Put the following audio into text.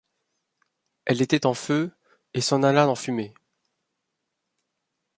Elle était en feu, et s'en alla en fumée.